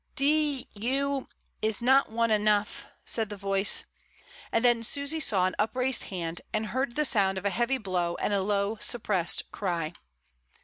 D you, is not one enough?" said the voice; and then Susy saw an upraised hand, and heard the sound of a heavy blow and a low suppressed cry.